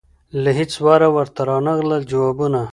له هیڅ وره ورته رانغلل جوابونه